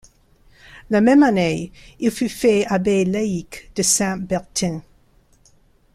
La même année, il fut fait abbé laïc de Saint-Bertin.